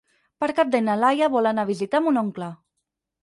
Per Cap d'Any na Laia vol anar a visitar mon oncle.